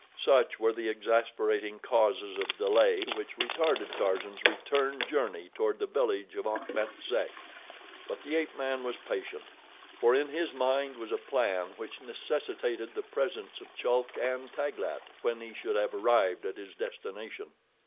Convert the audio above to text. Such were the exasperating causes of delay which retarded Tarzan's return journey toward the village of Achmet Zek; but the ape man was patient, for in his mind was a plan which necessitated the presence of Chulk and Taglat when he should have arrived at his destination.